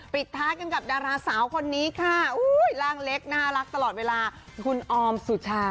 ปิดท้ายกันกับดาราสาวคนนี้ค่ะร่างเล็กน่ารักตลอดเวลาคุณออมสุชา